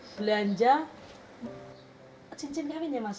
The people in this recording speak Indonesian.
belanja cincin kaminya mas